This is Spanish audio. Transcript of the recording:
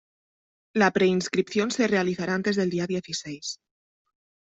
La preinscripción se realizará antes del día dieciséis.